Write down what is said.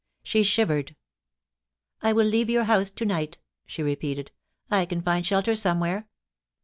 She shivered. ' I will leave your house to night,' she repeated. * I can find shelter somewhere.